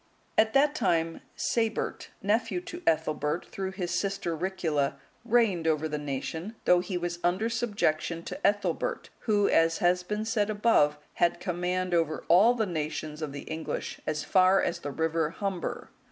At that time, Sabert, nephew to Ethelbert through his sister Ricula, reigned over the nation, though he was under subjection to Ethelbert, who, as has been said above, had command over all the nations of the English as far as the river Humber.